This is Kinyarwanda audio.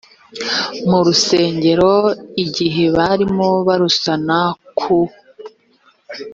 mu rusengero igihe barimo barusana ku